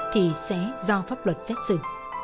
thì sẽ do pháp luật xét xử